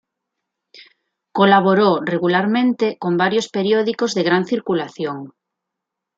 Colaboró regularmente con varios periódicos de gran circulación.